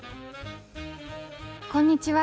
こんにちは。